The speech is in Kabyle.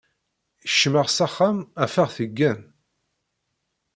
Kecmeɣ s axxam, afeɣ-t igen.